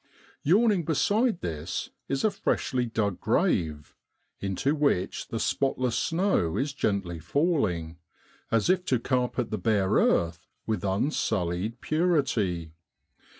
Yawning beside this is a freshly dug grave into which the spotless snow is gently falling, as if to carpet the bare earth with unsullied purity.